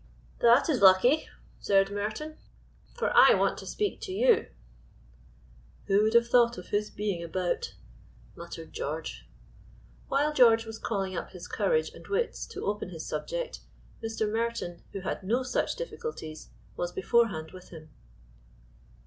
"That is lucky," said Merton, "for I want to speak to you." "Who would have thought of his being about?" muttered George. While George was calling up his courage and wits to open his subject, Mr. Merton, who had no such difficulties, was beforehand with him.